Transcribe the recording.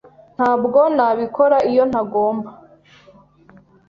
Ntabwo nabikora iyo ntagomba.